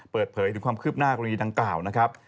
เปิดเผยถึงความคืบหน้ากรณีดังกล่าวนะครับ